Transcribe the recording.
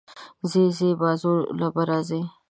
ځې ځې، بازو له به راځې